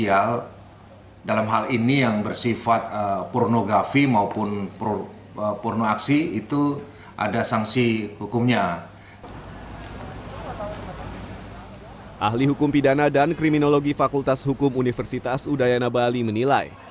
ahli hukum pidana dan kriminologi fakultas hukum universitas udayana bali menilai